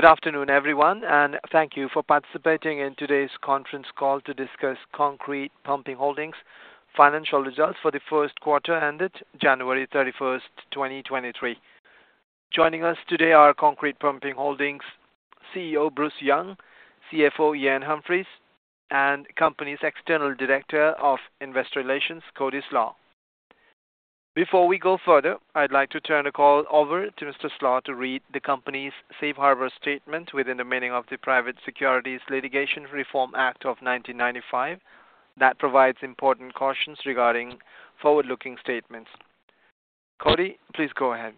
Good afternoon, everyone, and thank you for participating in today's conference call to discuss Concrete Pumping Holdings financial results for the first quarter ended January 31, 2023. Joining us today are Concrete Pumping Holdings CEO, Bruce Young, CFO, Iain Humphries, and Company's External Director of Investor Relations, Cody Slach. Before we go further, I'd like to turn the call over to Mr. Slach to read the company's Safe Harbor statement within the meaning of the Private Securities Litigation Reform Act of 1995, that provides important cautions regarding forward-looking statements. Cody, please go ahead.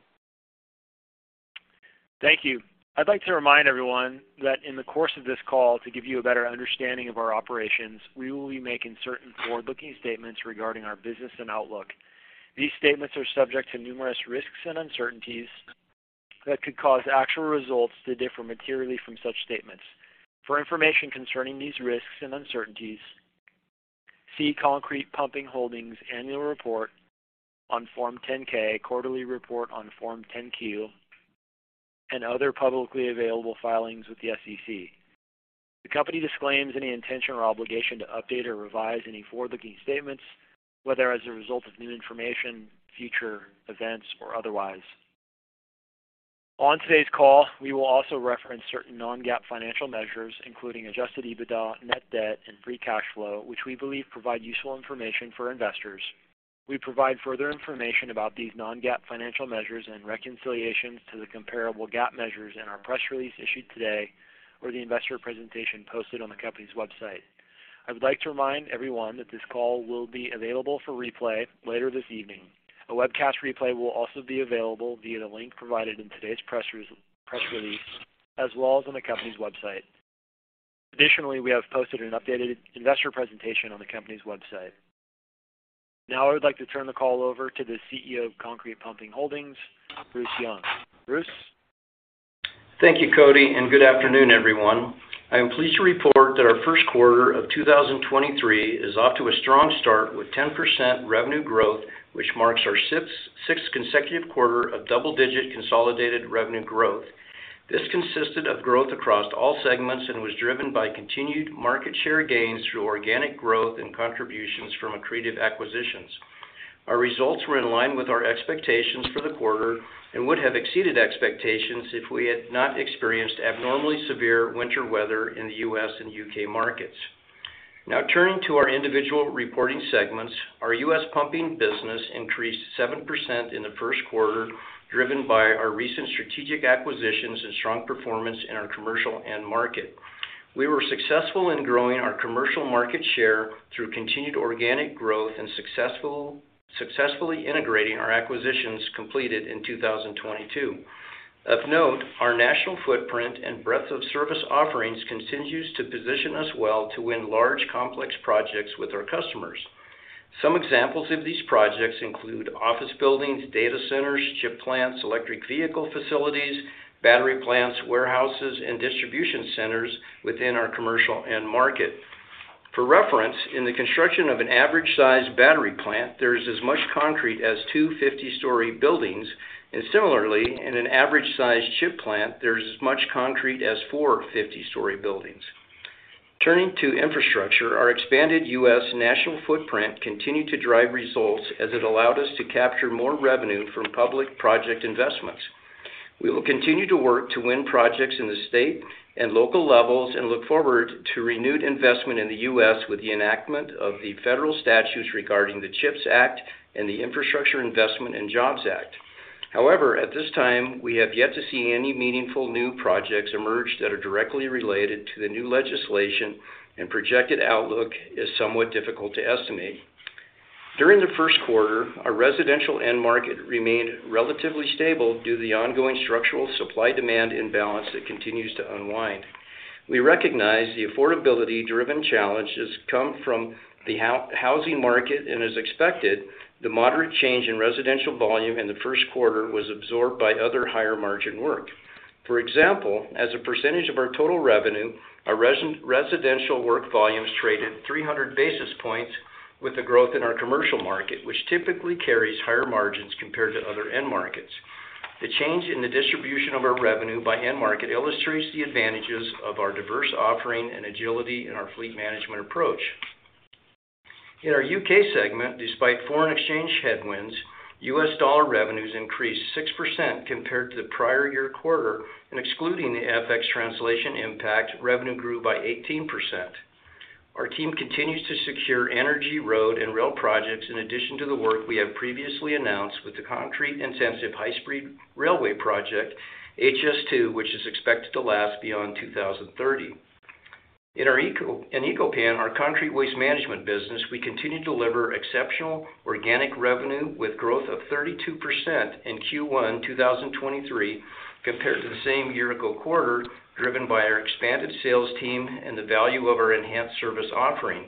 Thank you. I'd like to remind everyone that in the course of this call, to give you a better understanding of our operations, we will be making certain forward-looking statements regarding our business and outlook. These statements are subject to numerous risks and uncertainties that could cause actual results to differ materially from such statements. For information concerning these risks and uncertainties, see Concrete Pumping Holdings annual report on Form 10-K, quarterly report on Form 10-Q, and other publicly available filings with the SEC. The company disclaims any intention or obligation to update or revise any forward-looking statements, whether as a result of new information, future events or otherwise. On today's call, we will also reference certain non-GAAP financial measures, including adjusted EBITDA, net debt, and free cash flow, which we believe provide useful information for investors. We provide further information about these non-GAAP financial measures and reconciliations to the comparable GAAP measures in our press release issued today or the investor presentation posted on the company's website. I would like to remind everyone that this call will be available for replay later this evening. A webcast replay will also be available via the link provided in today's press release, as well as on the company's website. We have posted an updated investor presentation on the company's website. I would like to turn the call over to the CEO of Concrete Pumping Holdings, Bruce Young. Bruce. Thank you, Cody. Good afternoon, everyone. I am pleased to report that our first quarter of 2023 is off to a strong start with 10% revenue growth, which marks our sixth consecutive quarter of double-digit consolidated revenue growth. This consisted of growth across all segments and was driven by continued market share gains through organic growth and contributions from accretive acquisitions. Our results were in line with our expectations for the quarter and would have exceeded expectations if we had not experienced abnormally severe winter weather in the U.S. and U.K. markets. Turning to our individual reporting segments. Our U.S. pumping business increased 7% in the first quarter, driven by our recent strategic acquisitions and strong performance in our commercial end market. We were successful in growing our commercial market share through continued organic growth and successfully integrating our acquisitions completed in 2022. Of note, our national footprint and breadth of service offerings continues to position us well to win large, complex projects with our customers. Some examples of these projects include office buildings, data centers, chip plants, electric vehicle facilities, battery plants, warehouses, and distribution centers within our commercial end market. For reference, in the construction of an average-sized battery plant, there is as much concrete as 2 fifty-story buildings, and similarly, in an average-sized chip plant, there's as much concrete as 4 fifty-story buildings. Turning to infrastructure, our expanded U.S. national footprint continued to drive results as it allowed us to capture more revenue from public project investments. We will continue to work to win projects in the state and local levels and look forward to renewed investment in the U.S. with the enactment of the federal statutes regarding the CHIPS Act and the Infrastructure Investment and Jobs Act. However, at this time, we have yet to see any meaningful new projects emerge that are directly related to the new legislation, and projected outlook is somewhat difficult to estimate. During the first quarter, our residential end market remained relatively stable due to the ongoing structural supply-demand imbalance that continues to unwind. We recognize the affordability-driven challenges come from the housing market, and as expected, the moderate change in residential volume in the first quarter was absorbed by other higher margin work. For example, as a % of our total revenue, our residential work volumes traded 300 basis points with the growth in our commercial market, which typically carries higher margins compared to other end markets. The change in the distribution of our revenue by end market illustrates the advantages of our diverse offering and agility in our fleet management approach. In our U.K. segment, despite foreign exchange headwinds, U.S. dollar revenues increased 6% compared to the prior year quarter, excluding the FX translation impact, revenue grew by 18%. Our team continues to secure energy, road, and rail projects in addition to the work we have previously announced with the concrete-intensive high-speed railway project, HS2, which is expected to last beyond 2030. In Eco-Pan, our concrete waste management business, we continue to deliver exceptional organic revenue with growth of 32% in Q1 2023 compared to the same year ago quarter, driven by our expanded sales team and the value of our enhanced service offering.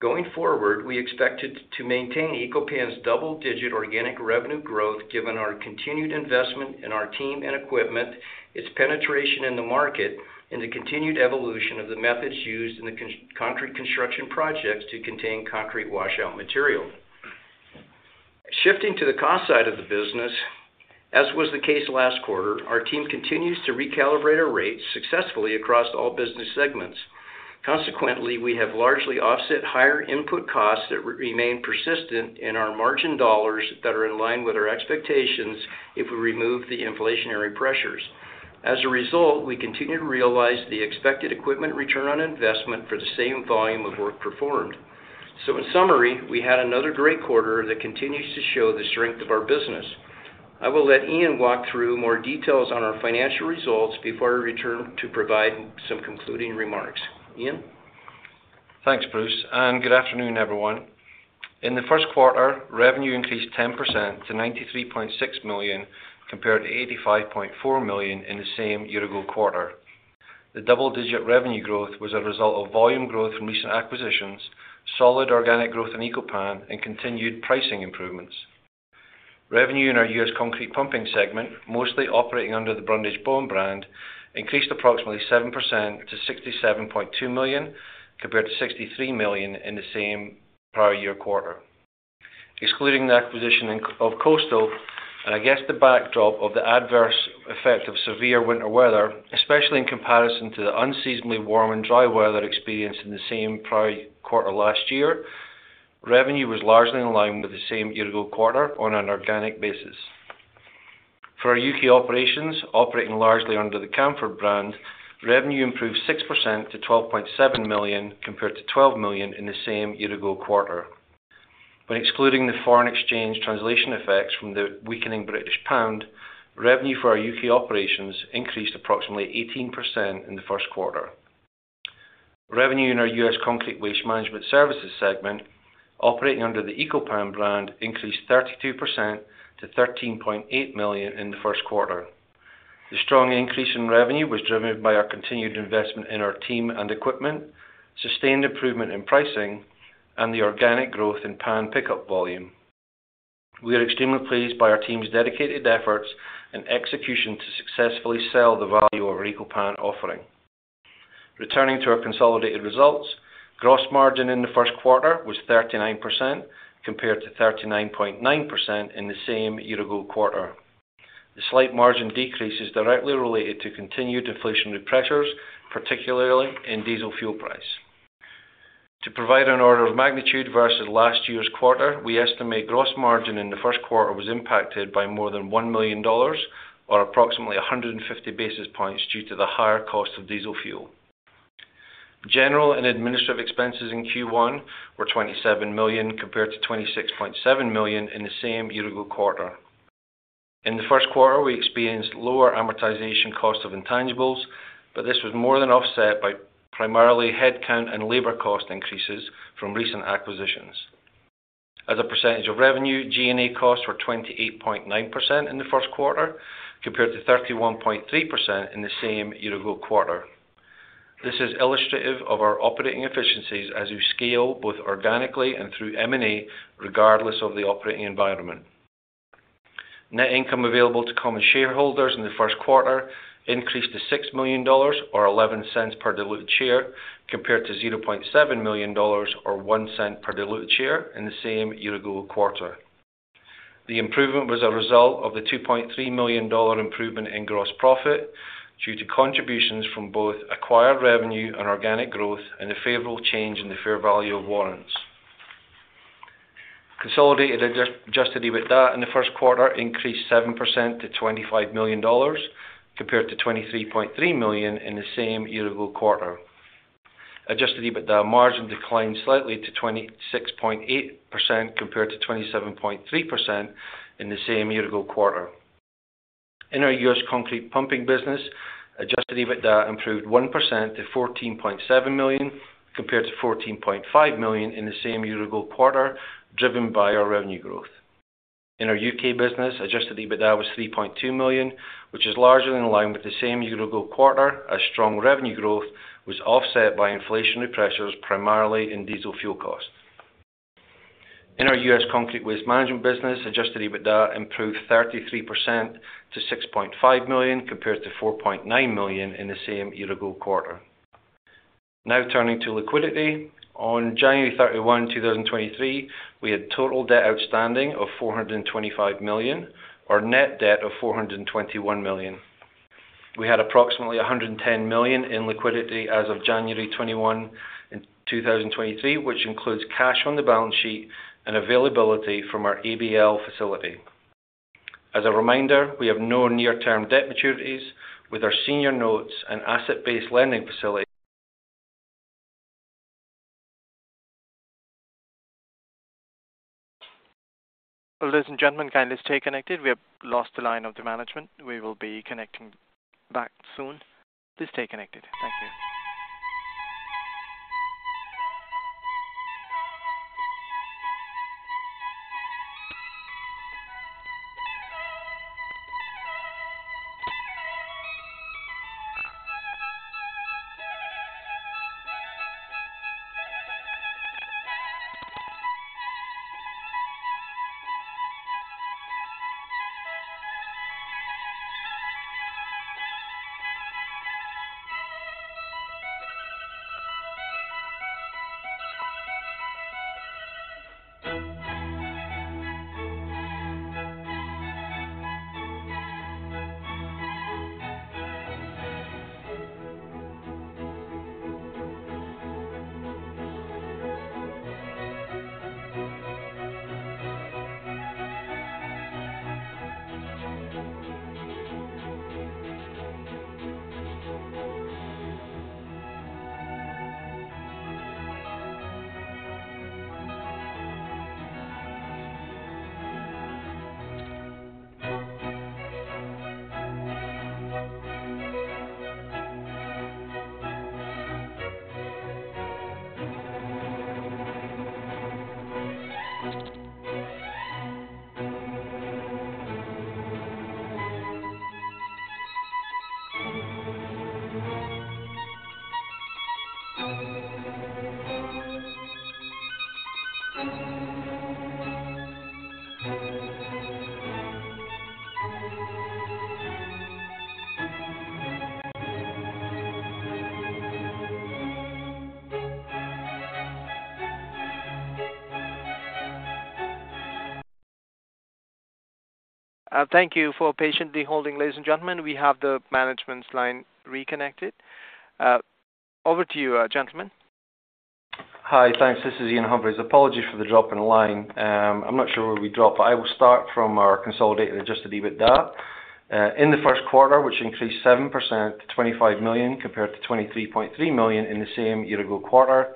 Going forward, we expect to maintain Eco-Pan's double-digit organic revenue growth given our continued investment in our team and equipment, its penetration in the market, and the continued evolution of the methods used in the concrete construction projects to contain concrete washout material. Shifting to the cost side of the business, as was the case last quarter, our team continues to recalibrate our rates successfully across all business segments. Consequently, we have largely offset higher input costs that remain persistent in our margin dollars that are in line with our expectations if we remove the inflationary pressures. As a result, we continue to realize the expected equipment ROI for the same volume of work performed. In summary, we had another great quarter that continues to show the strength of our business. I will let Iain walk through more details on our financial results before I return to provide some concluding remarks. Iain? Thanks, Bruce. Good afternoon, everyone. In the first quarter, revenue increased 10% to $93.6 million compared to $85.4 million in the same year-ago quarter. The double-digit revenue growth was a result of volume growth from recent acquisitions, solid organic growth in Eco-Pan, and continued pricing improvements. Revenue in our U.S. Concrete Pumping segment, mostly operating under the Brundage-Bone brand, increased approximately 7% to $67.2 million compared to $63 million in the same prior year quarter. Excluding the acquisition of Coastal, against the backdrop of the adverse effect of severe winter weather, especially in comparison to the unseasonably warm and dry weather experienced in the same prior quarter last year, revenue was largely in line with the same year-ago quarter on an organic basis. For our U.K. operations, operating largely under the Camfaud brand, revenue improved 6% to $12.7 million compared to $12 million in the same year-ago quarter. When excluding the foreign exchange translation effects from the weakening British pound, revenue for our U.K. operations increased approximately 18% in the first quarter. Revenue in our U.S. Concrete Waste Management Services segment, operating under the Eco-Pan brand, increased 32% to $13.8 million in the first quarter. The strong increase in revenue was driven by our continued investment in our team and equipment, sustained improvement in pricing, and the organic growth in pan pickup volume. We are extremely pleased by our team's dedicated efforts and execution to successfully sell the value of our Eco-Pan offering. Returning to our consolidated results, gross margin in the first quarter was 39% compared to 39.9% in the same year-ago quarter. The slight margin decrease is directly related to continued deflationary pressures, particularly in diesel fuel price. To provide an order of magnitude versus last year's quarter, we estimate gross margin in the first quarter was impacted by more than $1 million or approximately 150 basis points due to the higher cost of diesel fuel. General and administrative expenses in Q1 were $27 million compared to $26.7 million in the same year-ago quarter. In the first quarter, we experienced lower amortization cost of intangibles, this was more than offset by primarily headcount and labor cost increases from recent acquisitions. As a percentage of revenue, G&A costs were 28.9% in the first quarter compared to 31.3% in the same year-ago quarter. This is illustrative of our operating efficiencies as we scale both organically and through M&A regardless of the operating environment. Net income available to common shareholders in the first quarter increased to $6 million or $0.11 per diluted share compared to $0.7 million or $0.01 per diluted share in the same year-ago quarter. The improvement was a result of the $2.3 million improvement in gross profit due to contributions from both acquired revenue and organic growth and a favorable change in the fair value of warrants. Consolidated adjusted EBITDA in the first quarter increased 7% to $25 million compared to $23.3 million in the same year-ago quarter. Adjusted EBITDA margin declined slightly to 26.8% compared to 27.3% in the same year-ago quarter. In our U.S. concrete pumping business, adjusted EBITDA improved 1% to $14.7 million compared to $14.5 million in the same year-ago quarter, driven by our revenue growth. In our U.K. business, adjusted EBITDA was $3.2 million, which is largely in line with the same year-ago quarter as strong revenue growth was offset by inflationary pressures primarily in diesel fuel costs. In our U.S. concrete waste management business, adjusted EBITDA improved 33% to $6.5 million compared to $4.9 million in the same year-ago quarter. Turning to liquidity. On January 31, 2023, we had total debt outstanding of $425 million or net debt of $421 million. We had approximately $110 million in liquidity as of January 21, 2023, which includes cash on the balance sheet and availability from our ABL facility. As a reminder, we have no near-term debt maturities with our senior notes and asset-based lending facility. Ladies and gentlemen, kindly stay connected. We have lost the line of the management. We will be connecting back soon. Please stay connected. Thank you. Thank you for patiently holding, ladies and gentlemen. We have the management's line reconnected. Over to you, gentleman. Hi. Thanks. This is Iain Humphries. Apologies for the drop in the line. I'm not sure where we dropped, but I will start from our consolidated adjusted EBITDA. In the first quarter, which increased 7% to $25 million compared to $23.3 million in the same year-ago quarter.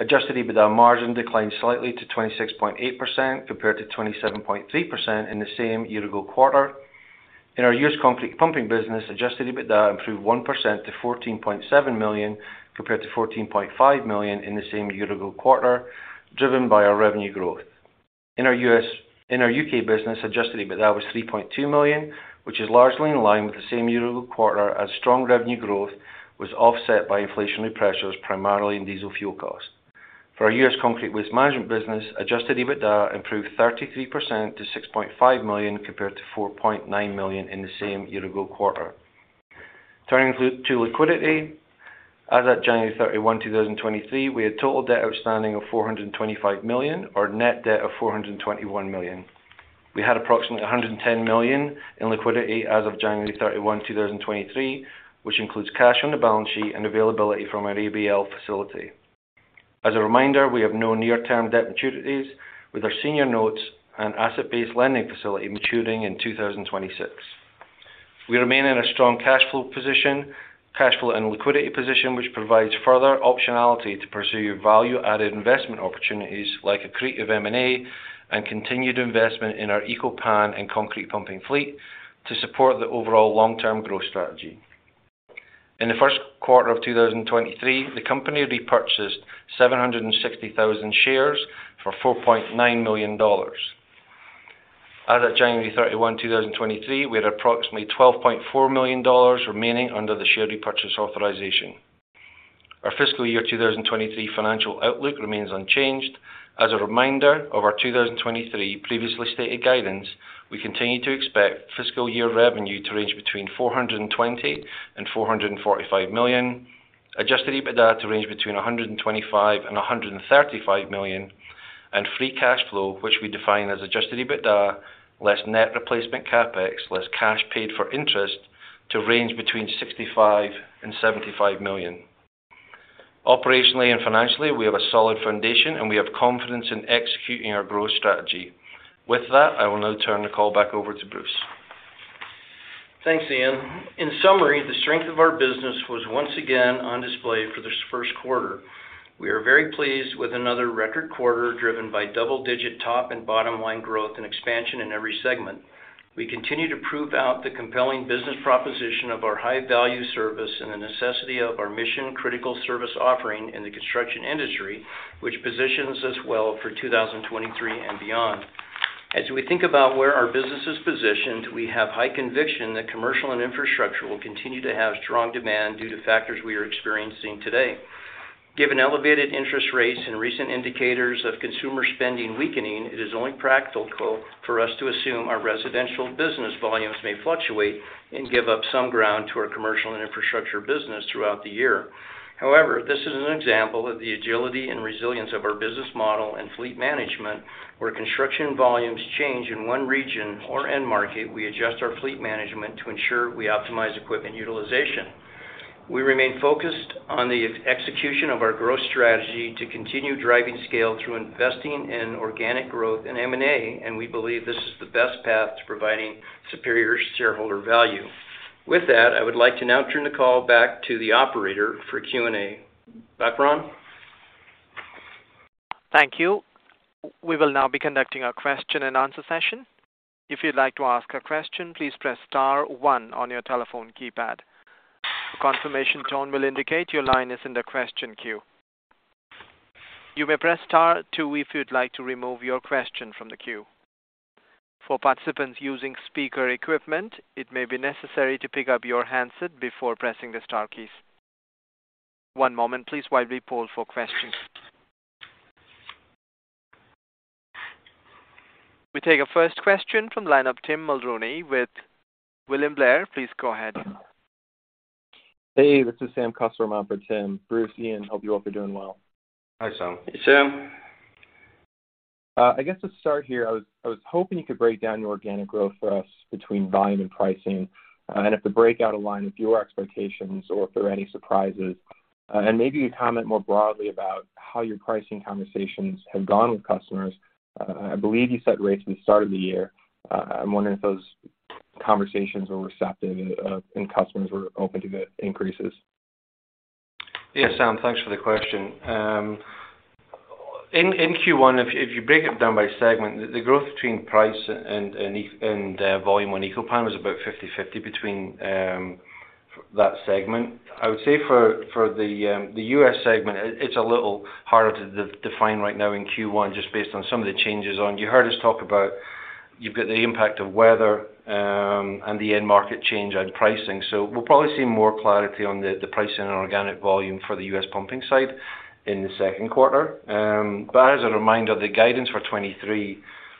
Adjusted EBITDA margin declined slightly to 26.8% compared to 27.3% in the same year-ago quarter. In our US concrete pumping business, adjusted EBITDA improved 1% to $14.7 million compared to $14.5 million in the same year-ago quarter, driven by our revenue growth. In our U.K. business, adjusted EBITDA was $3.2 million, which is largely in line with the same year-ago quarter as strong revenue growth was offset by inflationary pressures, primarily in diesel fuel cost. For our U.S. concrete waste management business, adjusted EBITDA improved 33% to $6.5 million compared to $4.9 million in the same year-ago quarter. Turning to liquidity. As at January 31, 2023, we had total debt outstanding of $425 million or net debt of $421 million. We had approximately $110 million in liquidity as of January 31, 2023, which includes cash on the balance sheet and availability from our ABL facility. As a reminder, we have no near-term debt maturities with our senior notes and asset-based lending facility maturing in 2026. We remain in a strong cash flow and liquidity position, which provides further optionality to pursue value-added investment opportunities like accretive M&A and continued investment in our Eco-Pan and concrete pumping fleet to support the overall long-term growth strategy. In the first quarter of 2023, the company repurchased 760,000 shares for $4.9 million. As at January 31, 2023, we had approximately $12.4 million remaining under the share repurchase authorization. Our fiscal year 2023 financial outlook remains unchanged. As a reminder of our 2023 previously stated guidance, we continue to expect fiscal year revenue to range between $420 million and $445 million. Adjusted EBITDA to range between $125 million and $135 million, and free cash flow, which we define as adjusted EBITDA less net replacement CapEx less cash paid for interest to range between $65 million and $75 million. Operationally and financially, we have a solid foundation, and we have confidence in executing our growth strategy. With that, I will now turn the call back over to Bruce. Thanks, Iain. In summary, the strength of our business was once again on display for this first quarter. We are very pleased with another record quarter driven by double-digit top and bottom line growth and expansion in every segment. We continue to prove out the compelling business proposition of our high-value service and the necessity of our mission-critical service offering in the construction industry, which positions us well for 2023 and beyond. As we think about where our business is positioned, we have high conviction that commercial and infrastructure will continue to have strong demand due to factors we are experiencing today. Given elevated interest rates and recent indicators of consumer spending weakening, it is only practical for us to assume our residential business volumes may fluctuate and give up some ground to our commercial and infrastructure business throughout the year. This is an example of the agility and resilience of our business model and fleet management, where construction volumes change in one region or end market, we adjust our fleet management to ensure we optimize equipment utilization. We remain focused on the execution of our growth strategy to continue driving scale through investing in organic growth and M&A, we believe this is the best path to providing superior shareholder value. With that, I would like to now turn the call back to the operator for Q&A. Back, Ron. Thank you. We will now be conducting a question and answer session. If you'd like to ask a question, please press star one on your telephone keypad. Confirmation tone will indicate your line is in the question queue. You may press star two if you'd like to remove your question from the queue. For participants using speaker equipment, it may be necessary to pick up your handset before pressing the star keys. One moment please while we poll for questions. We take our first question from the line of Tim Mulrooney with William Blair. Please go ahead. Hey, this is Sam. Yeah, Sam, thanks for the question. In Q1, if you break it down by segment, the growth between price and volume on Eco-Pan was about 50/50 between that segment. I would say for the U.S. segment, it is a little harder to define right now in Q1 just based on some of the changes on. You heard us talk about you have got the impact of weather and the end market change on pricing. We will probably see more clarity on the pricing and organic volume for the U.S. pumping side in the second quarter. But as a reminder, the guidance for 2023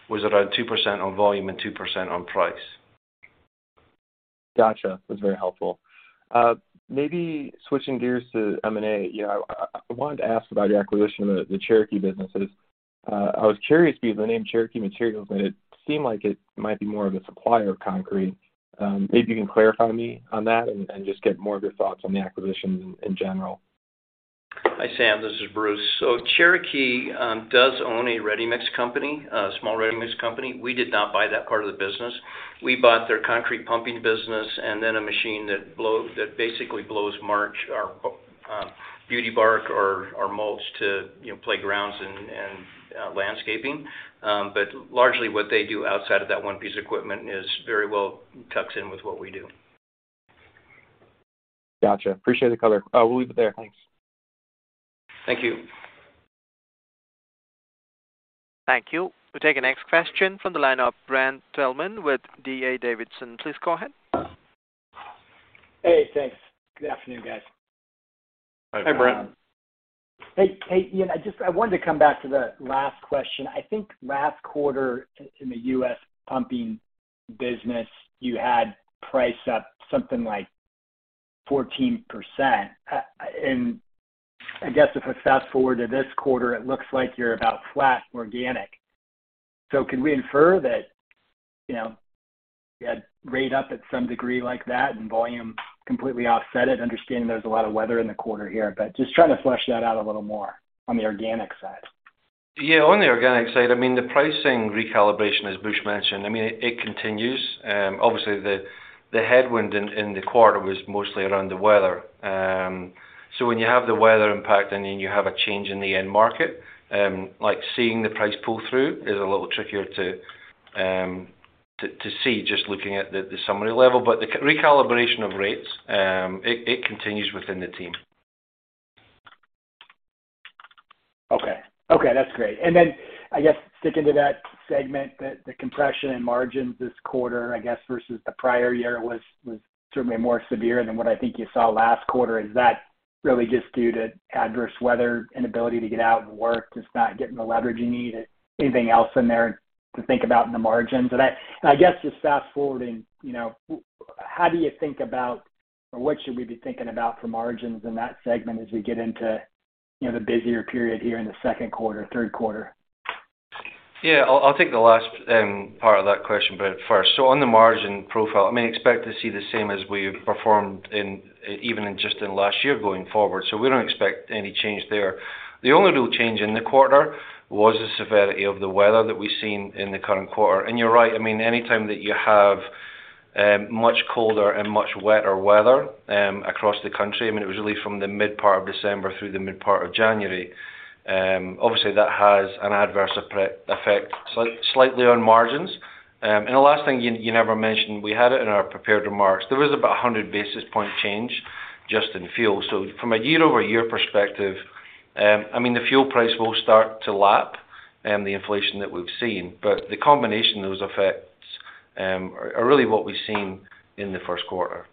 was around 2% on volume and 2% on price. Gotcha. That's very helpful. Maybe switching gears to M&A. You know, I wanted to ask about your acquisition of the Cherokee businesses. I was curious because I named Cherokee Materials, but it seemed like it might be more of a supplier of concrete. Maybe you can clarify me on that and just get more of your thoughts on the acquisition in general. Hi, Sam, this is Bruce. Cherokee does own a ready-mix company, a small ready-mix company. We did not buy that part of the business. We bought their concrete pumping business and then a machine that basically blows mulch or beauty bark or mulch to, you know, playgrounds and landscaping. Largely what they do outside of that one piece of equipment is very well tucks in with what we do. Gotcha. Appreciate the color. We'll leave it there. Thanks. Thank you. Thank you. We'll take the next question from the line of Brent Thielman with D.A. Davidson. Please go ahead. Hey, thanks. Good afternoon, guys. Hi, Brent. Hey. Hey, Iain, I wanted to come back to the last question. I think last quarter in the U.S. pumping business, you had price up something like 14%. I guess if I fast-forward to this quarter, it looks like you're about flat organic. Can we infer that, you know, you had rate up at some degree like that and volume completely offset it, understanding there's a lot of weather in the quarter here, but just trying to flesh that out a little more on the organic side? Yeah. On the organic side, I mean, the pricing recalibration, as Bruce mentioned, I mean, it continues. Obviously, the headwind in the quarter was mostly around the weather. When you have the weather impact and then you have a change in the end market, like seeing the price pull through is a little trickier to see just looking at the summary level. The recalibration of rates, it continues within the team. Okay. Okay, that's great. I guess sticking to that segment, the compression in margins this quarter, I guess, versus the prior year was certainly more severe than what I think you saw last quarter. Is that really just due to adverse weather, inability to get out and work, just not getting the leverage you need? Anything else in there to think about in the margins? I guess just fast-forwarding, you know, how do you think about or what should we be thinking about for margins in that segment as we get into, you know, the busier period here in the second quarter, third quarter? Yeah. I'll take the last part of that question, Brent, first. On the margin profile, I mean, expect to see the same as we've performed in, even in just in last year going forward. We don't expect any change there. The only real change in the quarter was the severity of the weather that we've seen in the current quarter. You're right. I mean, anytime that you have much colder and much wetter weather across the country, I mean, it was really from the mid part of December through the mid part of January, obviously that has an adverse effect slightly on margins. The last thing, Iain, you never mentioned, we had it in our prepared remarks. There was about a 100 basis point change just in fuel. From a year-over-year perspective, I mean, the fuel price will start to lap the inflation that we've seen, but the combination of those effects are really what we've seen in the first quarter.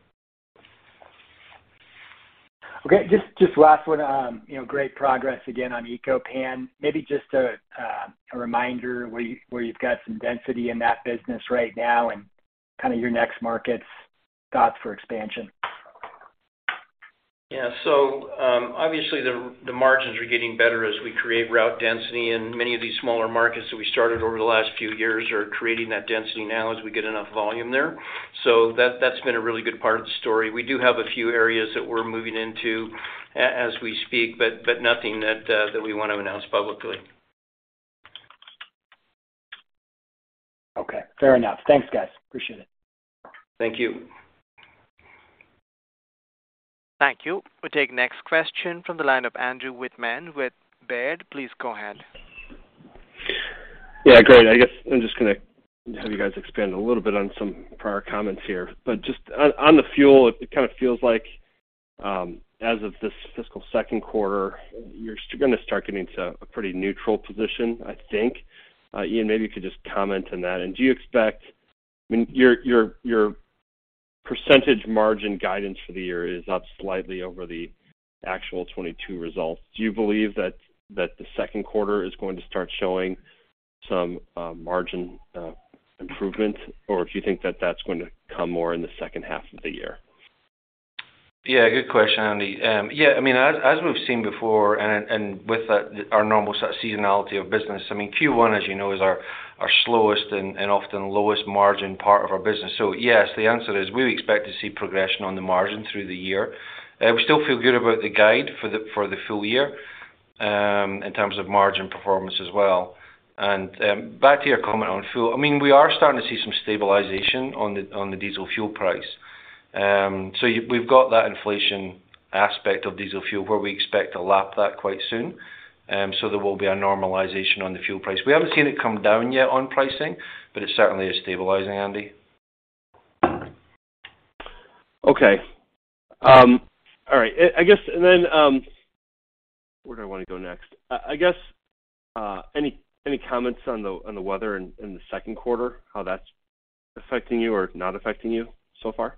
Okay. Just last one, you know, great progress again on Eco-Pan. Maybe just a reminder where you've got some density in that business right now and kind of your next markets, thoughts for expansion? Yeah. Obviously, the margins are getting better as we create route density, and many of these smaller markets that we started over the last few years are creating that density now as we get enough volume there. That's been a really good part of the story. We do have a few areas that we're moving into as we speak, but nothing that we wanna announce publicly. Okay, fair enough. Thanks, guys. Appreciate it. Thank you. Thank you. We'll take next question from the line of Andrew Wittmann with Baird. Please go ahead. Yeah, great. I guess I'm just gonna have you guys expand a little bit on some prior comments here. Just on the fuel, it kind of feels like, as of this fiscal second quarter, you're gonna start getting to a pretty neutral position, I think. Iain, maybe you could just comment on that. Do you expect... I mean, your Percentage margin guidance for the year is up slightly over the actual 2022 results. Do you believe that the second quarter is going to start showing some margin improvement, or do you think that that's going to come more in the second half of the year? Yeah, good question, Andy. Yeah, I mean, as we've seen before and with that, our normal seasonality of business, I mean, Q1, as you know, is our slowest and often lowest margin part of our business. Yes, the answer is we expect to see progression on the margin through the year. We still feel good about the guide for the, for the full year, in terms of margin performance as well. Back to your comment on fuel, I mean, we are starting to see some stabilization on the, on the diesel fuel price. We've got that inflation aspect of diesel fuel where we expect to lap that quite soon. There will be a normalization on the fuel price. We haven't seen it come down yet on pricing, but it certainly is stabilizing, Andy. Okay. All right. I guess where do I wanna go next? I guess any comments on the weather in the second quarter, how that's affecting you or not affecting you so far?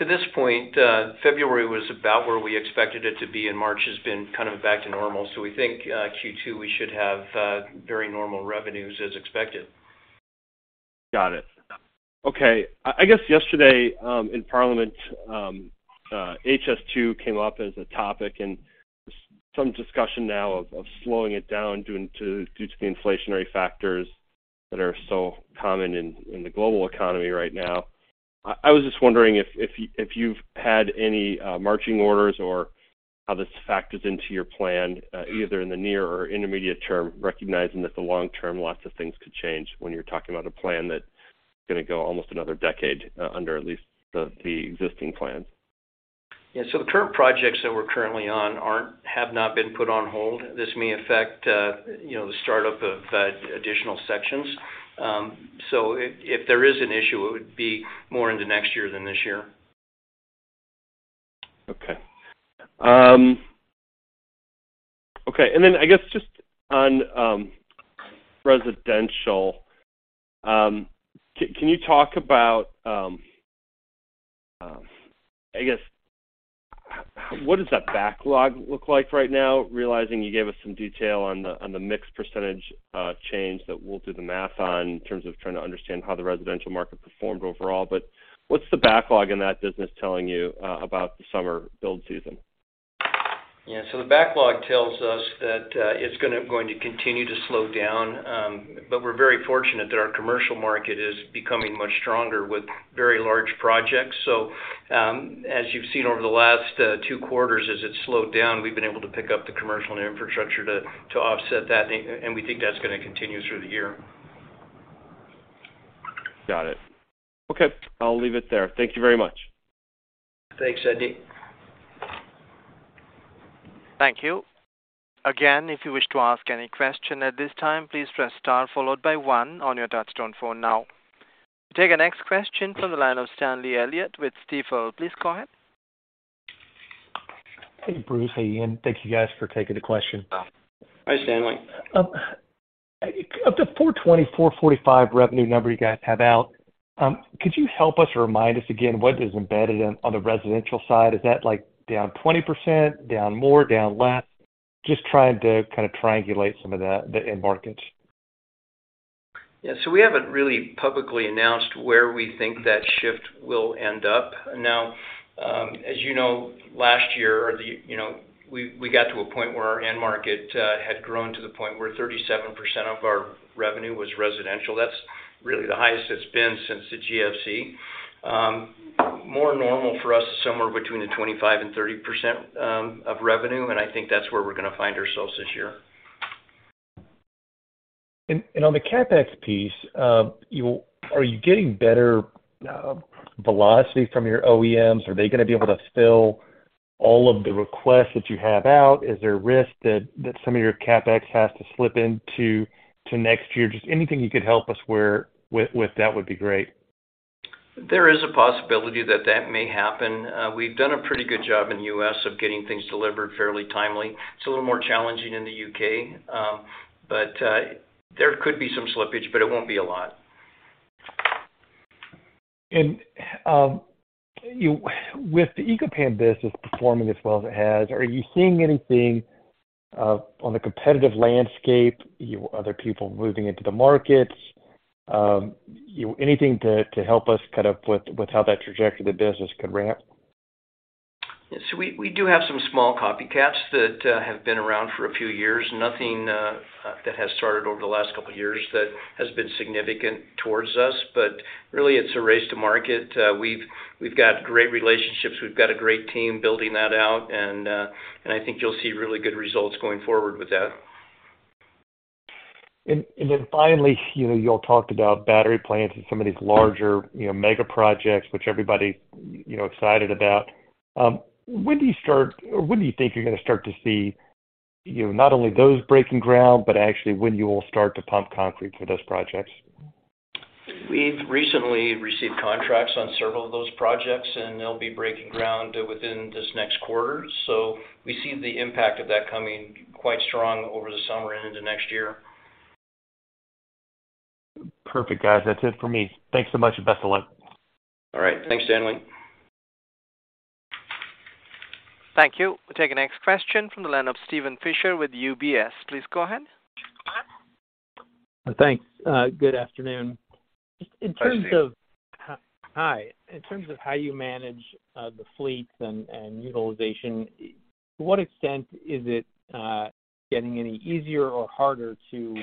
To this point, February was about where we expected it to be. Mulch has been kind of back to normal. We think Q2 we should have very normal revenues as expected. Got it. Okay. I guess yesterday, in Parliament, HS2 came up as a topic and some discussion now of slowing it down due to the inflationary factors that are so common in the global economy right now. I was just wondering if you've had any marching orders or how this factors into your plan, either in the near or intermediate term, recognizing that the long term, lots of things could change when you're talking about a plan that's gonna go almost another decade, under at least the existing plans. Yeah. The current projects that we're currently on have not been put on hold. This may affect, you know, the start up of additional sections. If there is an issue, it would be more in the next year than this year. Okay. Okay. I guess just on residential, can you talk about, I guess, how, what does that backlog look like right now, realizing you gave us some detail on the mix % change that we'll do the math on in terms of trying to understand how the residential market performed overall, but what's the backlog in that business telling you about the summer build season? The backlog tells us that it's going to continue to slow down. We're very fortunate that our commercial market is becoming much stronger with very large projects. As you've seen over the last two quarters, as it's slowed down, we've been able to pick up the commercial and infrastructure to offset that, and we think that's gonna continue through the year. Got it. Okay, I'll leave it there. Thank you very much. Thanks, Andy. Thank you. Again, if you wish to ask any question at this time, please press star followed by one on your touch-tone phone now. Take our next question from the line of Stanley Elliott with Stifel. Please go ahead. Hey, Bruce. Hey, Iain. Thank you guys for taking the question. Hi, Stanley. Up to $420, $445 revenue number you guys have out, could you help us or remind us again what is embedded on the residential side? Is that like down 20%, down more, down less? Just trying to kinda triangulate some of the end markets. Yeah. We haven't really publicly announced where we think that shift will end up. Now, as you know, last year or the, you know, we got to a point where our end market had grown to the point where 37% of our revenue was residential. That's really the highest it's been since the GFC. More normal for us is somewhere between the 25% and 30% of revenue, and I think that's where we're gonna find ourselves this year. On the CapEx piece, are you getting better velocity from your OEMs? Are they gonna be able to fill all of the requests that you have out? Is there a risk that some of your CapEx has to slip into next year? Just anything you could help us with that would be great. There is a possibility that that may happen. We've done a pretty good job in the U.S. of getting things delivered fairly timely. It's a little more challenging in the U.K., but there could be some slippage, but it won't be a lot. With the Eco-Pan business performing as well as it has, are you seeing anything on the competitive landscape, other people moving into the markets? You know, anything to help us kind of with how that trajectory of the business could ramp? We do have some small copycats that have been around for a few years. Nothing that has started over the last couple of years that has been significant towards us, but really, it's a race to market. We've got great relationships. We've got a great team building that out, and I think you'll see really good results going forward with that. Finally, you know, you all talked about battery plants and some of these larger, you know, mega projects, which everybody, you know, excited about. When do you think you're gonna start to see, you know, not only those breaking ground, but actually when you will start to pump concrete for those projects? We've recently received contracts on several of those projects, and they'll be breaking ground within this next quarter. We see the impact of that coming quite strong over the summer and into next year. Perfect, guys. That's it for me. Thanks so much, and best of luck. All right. Thanks, Stanley. Thank you. We'll take the next question from the line of Steven Fisher with UBS. Please go ahead. Thanks. Good afternoon. Hi, Steve. In terms of how you manage the fleet and utilization, to what extent is it getting any easier or harder to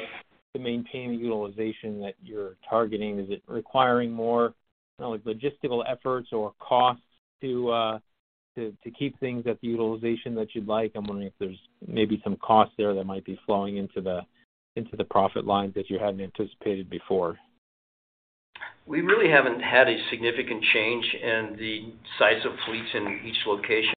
maintain the utilization that you're targeting? Is it requiring more, kinda like logistical efforts or costs to keep things at the utilization that you'd like? I'm wondering if there's maybe some costs there that might be flowing into the profit lines that you hadn't anticipated before. We really haven't had a significant change in the size of fleets in each location.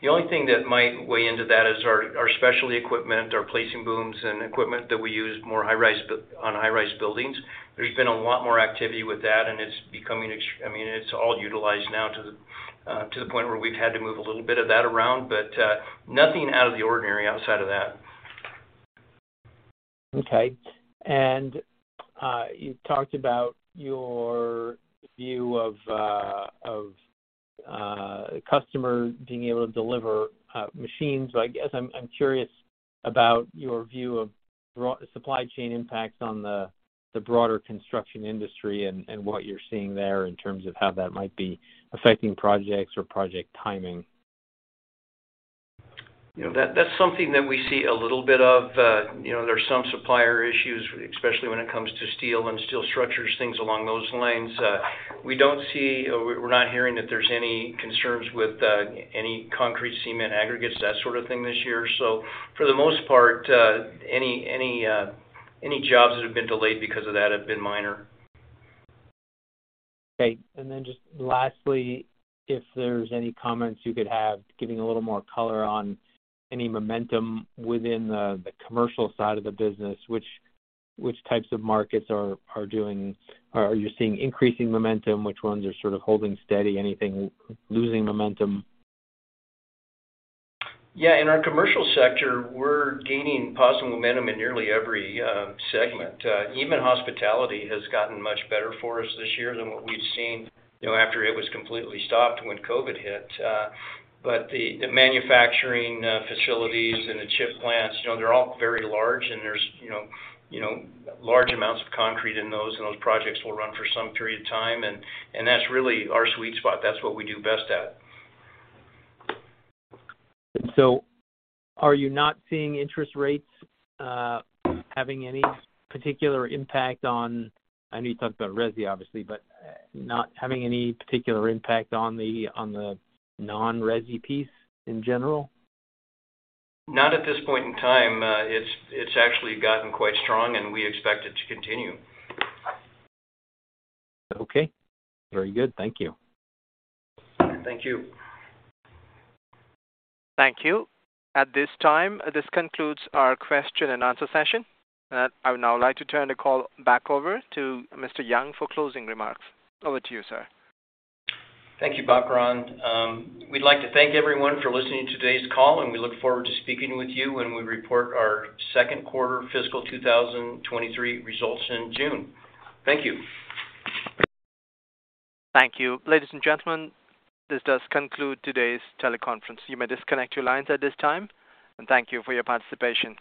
The only thing that might weigh into that is our specialty equipment, our placing booms and equipment that we use more high-rise on high-rise buildings. There's been a lot more activity with that, and it's becoming, I mean, it's all utilized now to the point where we've had to move a little bit of that around. Nothing out of the ordinary outside of that. Okay. You talked about your view of customer being able to deliver machines. I guess I'm curious about your view of supply chain impacts on the broader construction industry and what you're seeing there in terms of how that might be affecting projects or project timing? You know, that's something that we see a little bit of. You know, there's some supplier issues, especially when it comes to steel and steel structures, things along those lines. We don't see or we're not hearing that there's any concerns with any concrete, cement, aggregates, that sort of thing this year. For the most part, any jobs that have been delayed because of that have been minor. Okay. Just lastly, if there's any comments you could have giving a little more color on any momentum within the commercial side of the business. Which types of markets are doing... Are you seeing increasing momentum? Which ones are sort of holding steady? Anything losing momentum? Yeah, in our commercial sector, we're gaining positive momentum in nearly every segment. Even hospitality has gotten much better for us this year than what we've seen, you know, after it was completely stopped when COVID hit. The manufacturing facilities and the chip plants, you know, they're all very large, and there's, you know, large amounts of concrete in those, and those projects will run for some period of time and that's really our sweet spot. That's what we do best at. Are you not seeing interest rates having any particular impact on, I know you talked about resi, obviously, but not having any particular impact on the non-resi piece in general? Not at this point in time. It's actually gotten quite strong. We expect it to continue. Okay. Very good. Thank you. Thank you. Thank you. At this time, this concludes our question-and-answer session. I would now like to turn the call back over to Mr. Young for closing remarks. Over to you, sir. Thank you, Bakaran. We'd like to thank everyone for listening to today's call, and we look forward to speaking with you when we report our second quarter fiscal 2023 results in June. Thank you. Thank you. Ladies and gentlemen, this does conclude today's teleconference. You may disconnect your lines at this time. Thank you for your participation.